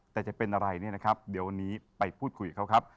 แต่จะเป็นอะไรเนี่ยนะครับเดี๋ยววันนี้ไปพูดคุยกับเขาครับ